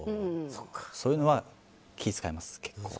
そういうのは気を使います。